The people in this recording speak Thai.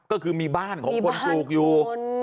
ก็คือมีบ้านของคนปลูกอยู่